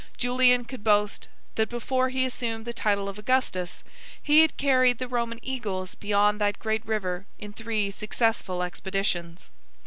Julian could boast, that before he assumed the title of Augustus, he had carried the Roman eagles beyond that great river in three successful expeditions.